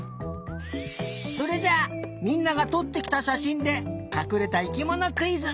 それじゃあみんながとってきたしゃしんでかくれた生きものクイズ！